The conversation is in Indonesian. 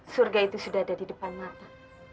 surga itu sudah ada di depan mata